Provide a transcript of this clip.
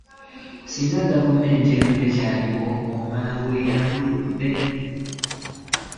Singa gavumenti eno tekyaliwo.” Omala bwe yalambuludde.